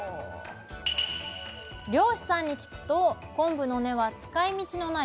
漁師さんに聞くと昆布の根は使いみちのない厄介もの。